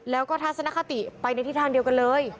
แล้วก็ทัศนคติไปในทิศทางเดียวกันเลย